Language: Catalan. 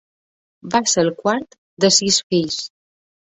Va ser el quart de sis fills.